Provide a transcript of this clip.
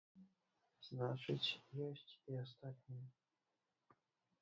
Значыць, ёсць і астатнія.